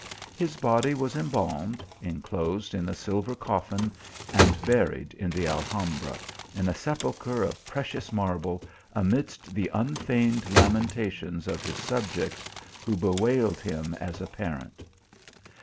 His body was embalmed, enclosed in a silver coffin, and buried in the Alhambra, in a sepulchre of precious marble, amidst the unfeigned lamentations of his subjects, who bewailed him as a parent.